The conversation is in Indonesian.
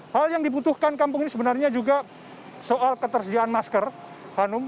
hal yang dibutuhkan kampung ini sebenarnya juga soal ketersediaan masker hanum